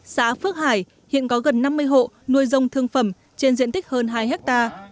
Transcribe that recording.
xã phước hải hiện có gần năm mươi hộ nuôi dông thương phẩm trên diện tích hơn hai hectare